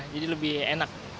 jadi lebih enak